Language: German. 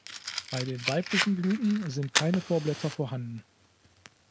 Bei den weiblichen Blüten sind keine Vorblätter vorhanden.